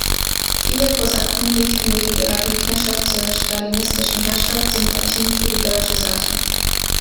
Viele Kosaken hegten wegen ihrer Gegnerschaft zur stalinistischen Herrschaft Sympathien für die deutsche Seite.